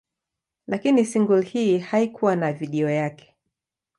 Lakini single hii haikuwa na video yake.